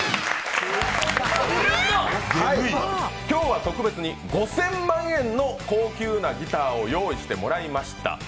今日は特別に５０００万円の高級ギターを用意してもらいました。